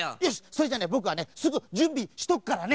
それじゃねぼくはねすぐじゅんびしとくからね！